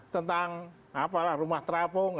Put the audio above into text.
tentang rumah terapung